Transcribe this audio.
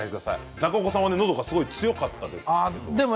中岡さんはのどが強かったですけれども。